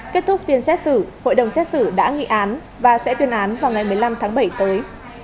kết thúc phiên xét xử hội đồng xét xử đã nghị án và sẽ tuyên án vào ngày một mươi năm tháng bảy tới